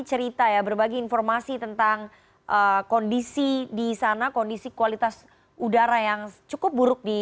cerita ya berbagi informasi tentang kondisi di sana kondisi kualitas udara yang cukup buruk di